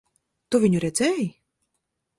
Tu viņu redzēji?